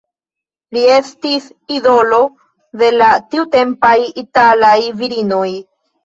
Li estis idolo de la tiutempaj italaj virinoj.